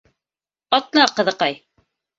Атла, ҡыҙыҡай!